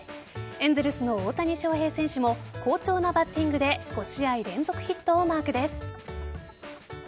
エンゼルスの大谷翔平選手も好調なバッティングで５試合連続ヒットをマークです。